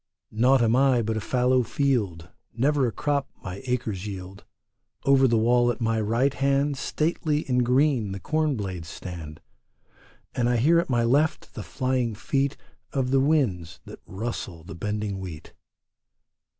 Naught am I but a fallow field ; Never a crop my acres yield. Over the wall at my right hand Stately and green the corn blades stand, And I hear at my left the flying feet Of the winds that rustle the bending wheat.